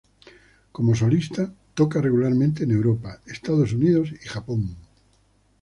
Como solista, toca regularmente en Europa, Estados Unidos y Japón.